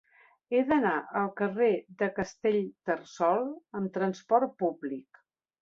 He d'anar al carrer de Castellterçol amb trasport públic.